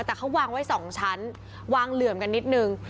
แต่เขาวางไว้๒ชั้นวางเหลื่อมกันนิดนึง